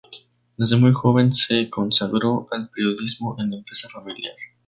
Desde muy joven se consagró al periodismo en la empresa familiar.